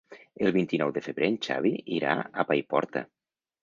El vint-i-nou de febrer en Xavi irà a Paiporta.